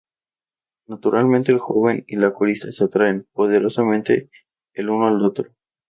Naturalmente el joven y la corista se atraen poderosamente el uno al otro.